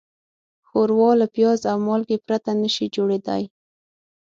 ښوروا له پیاز او مالګې پرته نهشي جوړېدای.